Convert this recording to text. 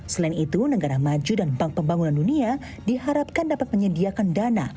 selain itu negara maju dan bank pembangunan dunia diharapkan dapat menyediakan dana